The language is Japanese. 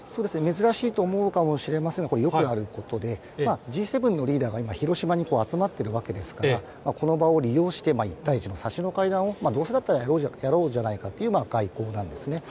珍しいと思うかもしれませんが、これ、よくあることで、Ｇ７のリーダーが今、広島に集まってるわけですから、この場を利用して、１対１の差しの会談をどうせだったらやろうじゃないかっていう外交なんですね。